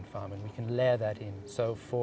dan kita bisa meletakkan itu